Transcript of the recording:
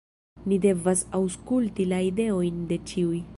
"Ni devas aŭskulti la ideojn de ĉiuj."